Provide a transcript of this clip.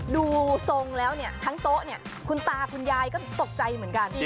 ดูทรงแล้วเนี่ยทั้งโต๊ะเนี่ยคุณตาคุณยายก็ตกใจเหมือนกัน